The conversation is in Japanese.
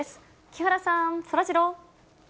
木原さん、そらジロー。